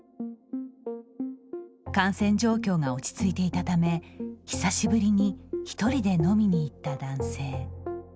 感染状況が落ち着いていたため久しぶりに１人で飲みに行った男性。